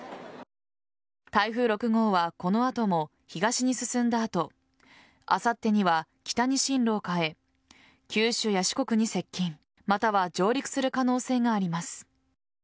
台風６号はこの後も東に進んだ後あさってには北に進路を変え九州や四国に接近または上陸する可能性があります。